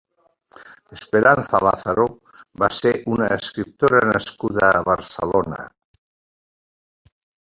Esperanza Lázaro va ser una escriptora nascuda a Barcelona.